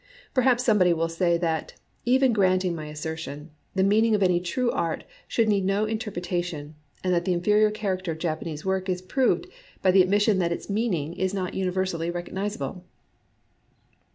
Perhaps somebody will say that, even grant ing my assertion, the meaning of any true art should need no interpretation, and that the inferior character of Japanese work is proved by the admission that its meaning is not uni versally recognizable.